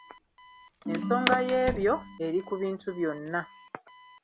Ensonga y'ebyo, eri ku bintu byonna.